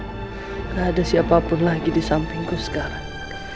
gak ada siapapun lagi disampingku sekarang